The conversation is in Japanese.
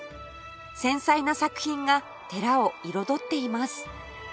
繊細な作品が寺を彩っています